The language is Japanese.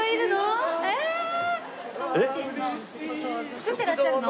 作ってらっしゃるの？